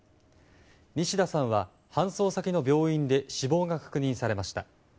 西田さんは、搬送先の病院で死亡が確認されました。